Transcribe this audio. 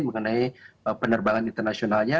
mengenai penerbangan internasionalnya